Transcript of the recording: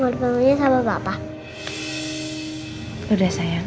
lu bernyanyi aja